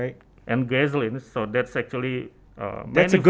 dan gasoliner jadi itu sebenarnya